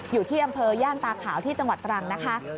อยู่ที่อำเภอย่านตาขาวที่จังหวัดตรังนะคะ